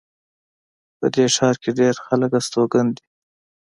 په دې ښار کې ډېر خلک استوګن دي